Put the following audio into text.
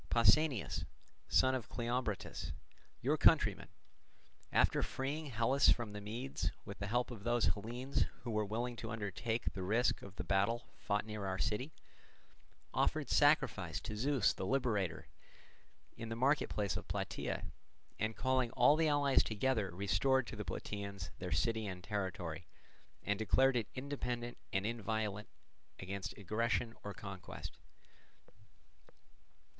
Pausanias, son of Cleombrotus, your countryman, after freeing Hellas from the Medes with the help of those Hellenes who were willing to undertake the risk of the battle fought near our city, offered sacrifice to Zeus the Liberator in the marketplace of Plataea, and calling all the allies together restored to the Plataeans their city and territory, and declared it independent and inviolate against aggression or conquest.